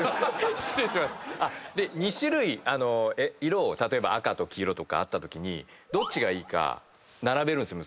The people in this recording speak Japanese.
２種類色を例えば赤と黄色とかあったときにどっちがいいか並べるんですよ。